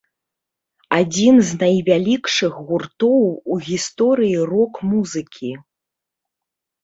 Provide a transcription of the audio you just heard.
Адзін з найвялікшых гуртоў у гісторыі рок-музыкі.